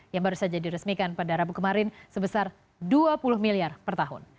yang baru saja diresmikan pada rabu kemarin sebesar dua puluh miliar per tahun